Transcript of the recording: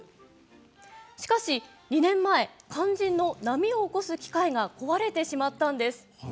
しかし、２年前肝心の波を起こす機械が壊れてしまったんです。